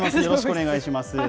よろしくお願いします。